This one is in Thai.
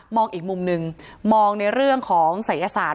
อีกมุมหนึ่งมองในเรื่องของศัยศาสต